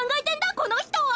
この人は！